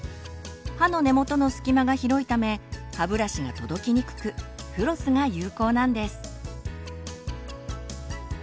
歯の根元のすき間が広いため歯ブラシが届きにくくフロスが有効なんです。